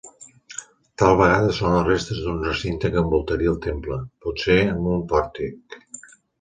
Tal vegada són les restes d'un recinte que envoltaria el temple, potser amb un pòrtic.